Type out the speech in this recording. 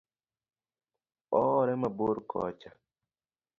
Ohore mabor kocha